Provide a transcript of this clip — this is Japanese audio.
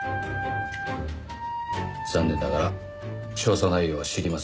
残念ながら調査内容は知りません。